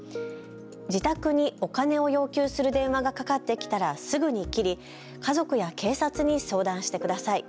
自宅にお金を要求する電話がかかってきたらすぐに切り家族や警察に相談してください。